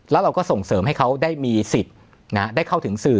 แล้วเราก็ส่งเสริมให้เขาได้มีสิทธิ์ได้เข้าถึงสื่อ